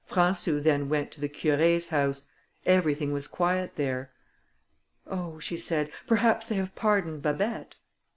Françou then went to the Curé's house; everything was quiet there. "Oh," she said, "perhaps they have pardoned Babet."